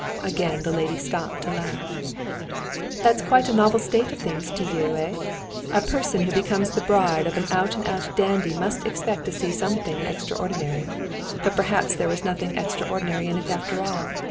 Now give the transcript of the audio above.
Again the lady stopped to laugh. "That's quite a novel state of things to you, eh? A person who becomes the bride of an out and out dandy must expect to see something extraordinary. But perhaps there was nothing extraordinary in it after all.